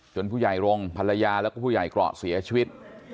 ผู้ใหญ่รงค์ภรรยาแล้วก็ผู้ใหญ่เกราะเสียชีวิต